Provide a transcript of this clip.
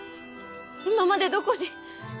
今までどこに？